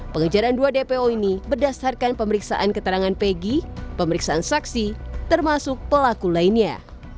pengejaran dua dpo ini berdasarkan pemeriksaan keterangan pegi pemeriksaan saksi termasuk pelaku lainnya